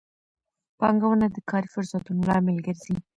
پانګونه د کاري فرصتونو لامل ګرځي.